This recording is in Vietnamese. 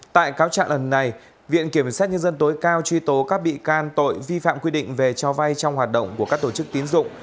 tại cáo trạng lần này viện kiểm sát nhân dân tối cao truy tố các bị can tội vi phạm quy định về cho vay trong hoạt động của các tổ chức tín dụng